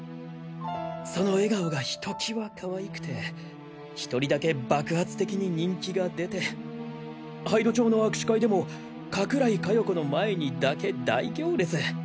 その笑顔がひときわカワイくてひとりだけ爆発的に人気が出て杯戸町の握手会でも加倉井加代子の前にだけ大行列。